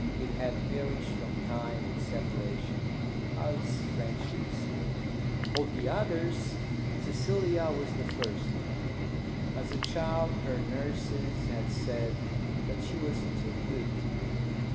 It had perished from time and separation, as friendships will. Of the others, Cecilia was the first to die. As a child her nurses had said that she was too good to live.